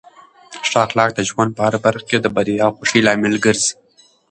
ښه اخلاق د ژوند په هره برخه کې د بریا او خوښۍ لامل ګرځي.